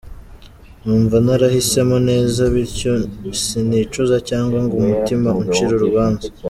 Numva narahisemo neza bityo sinicuza cyangwa ngo umutima uncire urubanza.